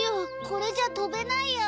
これじゃとべないや。